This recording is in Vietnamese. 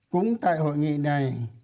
cũng tại hội nghị này